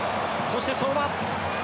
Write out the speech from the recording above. そして、相馬。